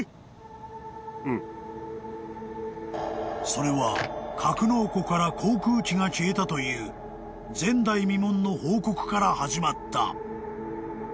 ［それは格納庫から航空機が消えたという前代未聞の報告から始まった］